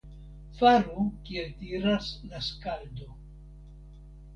Faru kiel diras la skaldo!